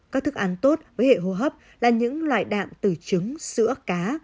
các thức ăn tốt với hệ hô hấp là những loại đạn từ trứng sữa cá